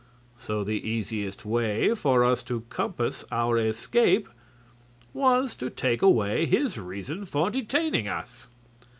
So the easiest way for us to compass our escape was to take away his reason for detaining us.